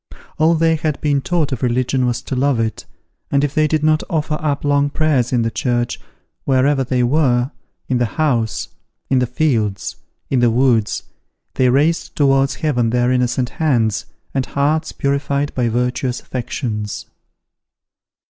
All they had been taught of religion was to love it, and if they did not offer up long prayers in the church, wherever they were, in the house, in the fields, in the woods, they raised towards heaven their innocent hands, and hearts purified by virtuous affections.